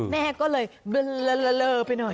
แม่ก็เลยเบลอไปหน่อย